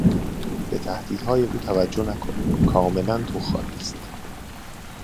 به تهدیدهای او توجه نکن; کاملا تو خالی است.